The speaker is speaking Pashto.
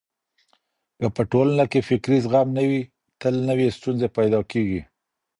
که په ټولنه کي فکري زغم نه وي تل نوې ستونزې پيدا کېږي.